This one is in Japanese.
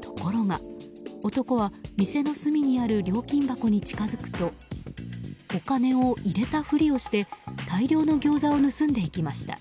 ところが、男は店の隅にある料金箱に近づくとお金を入れたふりをして大量のギョーザを盗んでいきました。